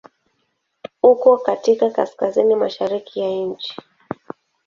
Uko katika Kaskazini mashariki ya nchi.